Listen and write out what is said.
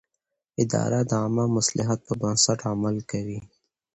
اداره د عامه مصلحت پر بنسټ عمل کوي.